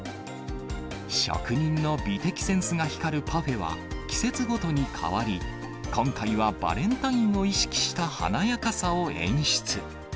職人の美的センスが光るパフェは、季節ごとに変わり、今回は、バレンタインを意識した華やかさを演出。